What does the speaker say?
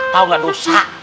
tau gak dosa